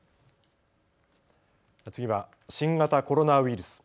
次は新型コロナウイルス。